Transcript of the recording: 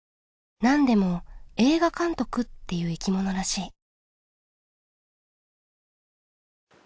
なんでも映画監督っていう生き物らしい。